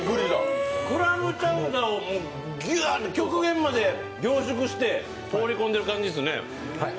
クラムチャウダーをギュッと極限まで凝縮して放り込んでる感じですよね。